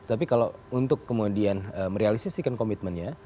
tapi kalau untuk kemudian merealisasikan komitmennya